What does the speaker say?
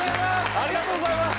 ありがとうございます！